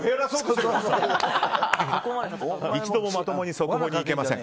一度もまともに速報にいけません。